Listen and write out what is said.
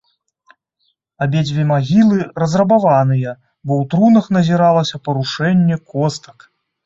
Абедзве магілы разрабаваныя, бо ў трунах назіралася парушэнне костак.